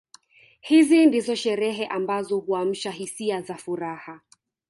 Hizi ndizo sherehe ambazo huamsha hisia za furaha